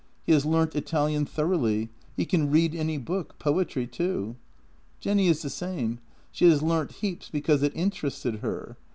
He has learnt Italian thoroughly; he can read any book — poetry, too. " Jenny is the same. She has learnt heaps because it inter ested her.